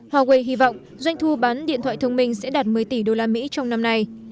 huawei hy vọng doanh thu bán điện thoại thông minh sẽ đạt một mươi tỷ usd trong năm nay